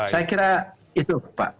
saya kira itu pak